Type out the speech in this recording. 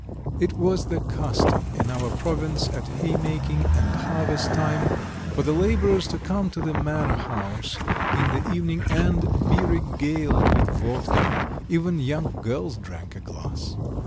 It was the custom in our province at haymaking and harvest time for the labourers to come to the manor house in the evening and be regaled with vodka; even young girls drank a glass.